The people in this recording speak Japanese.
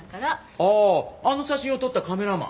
あああの写真を撮ったカメラマン。